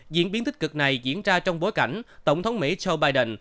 diễn biến tích cực này diễn ra trong bối cảnh tổng thống mỹ joe biden